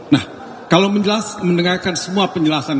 nah kalau mendengarkan semua penjelasan